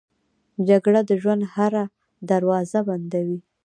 جګړه د ژوند هره دروازه بندوي